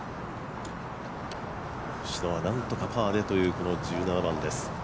なんとかパーでという１７番です。